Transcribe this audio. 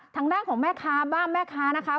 ทางด้านของแม่ค้าบ้างแม่ค้านะคะ